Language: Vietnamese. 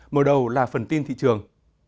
mở đầu là phần tin thị trường